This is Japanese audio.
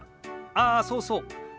ああそうそう。